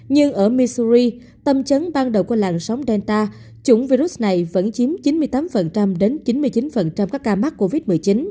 nhưng ở misuri tâm chấn ban đầu của làn sóng delta chủng virus này vẫn chiếm chín mươi tám đến chín mươi chín các ca mắc covid một mươi chín